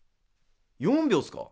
４秒すか。